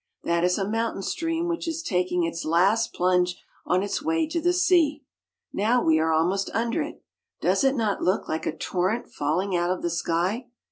That is a mountain stream which is taking its last plunge on its way to the sea. Now we are almost under it. Does it not look like a torrent falling out of the sky?